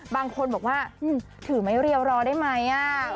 บางคนบอกว่าถือไม้เรียวรอได้ไหม